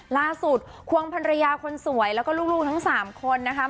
ล่าสุดควงพรรยาคนสวยแล้วก็ลูกทั้งสามคนนะคะ